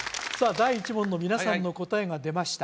第１問の皆さんの答えが出ました